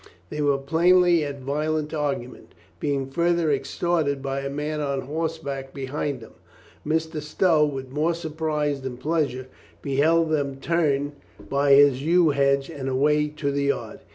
They were plainly at violent argument, being further exhorted by a man on horseback be hind them. Mr. Stow, with more surprise than pleasure, beheld them turn by his yew hedge and av/ay to the yard.